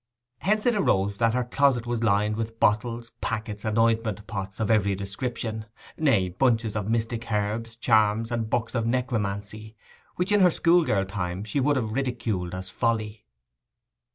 Hence it arose that her closet was lined with bottles, packets, and ointment pots of every description—nay, bunches of mystic herbs, charms, and books of necromancy, which in her schoolgirl time she would have ridiculed as folly.